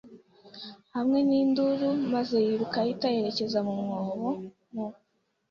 hamwe n'induru, maze yiruka ahita yerekeza mu mwobo, mu